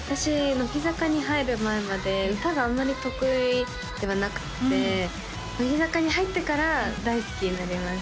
乃木坂に入る前まで歌があんまり得意ではなくって乃木坂に入ってから大好きになりました